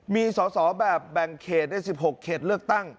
มีสอสอแบบแบ่งเขตใน๑๖เขตเลือกตั้ง